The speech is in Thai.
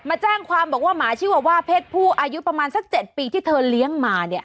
มาแจ้งความบอกว่าหมาชื่อว่าว่าเพศผู้อายุประมาณสัก๗ปีที่เธอเลี้ยงมาเนี่ย